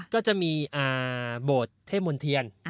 ก็จะมีบทเทพมนต์เทียน